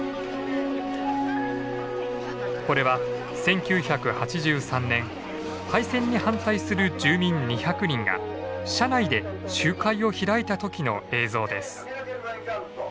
これは１９８３年廃線に反対する住民２００人が車内で集会を開いた時の映像です。